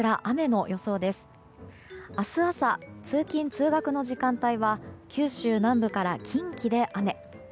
明日朝、通勤・通学の時間帯は九州南部から近畿で雨。